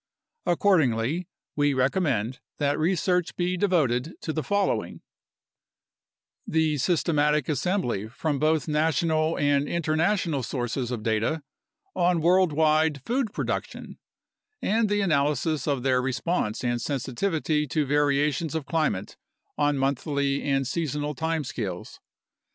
Accordingly, we recommend that research be devoted to the following: The systematic assembly from both national and international sources of data on worldwide food production and the analysis of their re sponse and sensitivity to variations of climate on monthly and seasonal time scales.